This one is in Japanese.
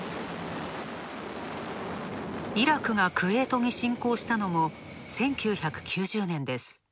イラクがクウェートに侵攻したのも１９９０年です。